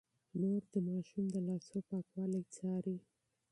مور د ماشوم د لاسونو پاکوالی څاري.